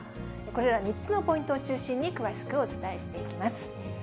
これら３つのポイントを中心に詳しくお伝えしていきます。